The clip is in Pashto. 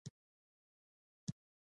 د نوښت لپاره کارېدونکې منابع لرې کړل شوې وای.